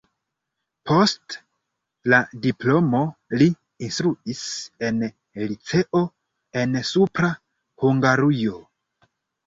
Post la diplomo li instruis en liceo en Supra Hungarujo.